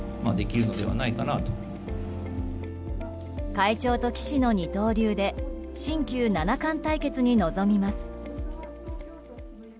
会長と棋士の二刀流で新旧七冠対決に臨みます。